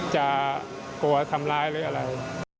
กลัวทำร้ายหรืออะไร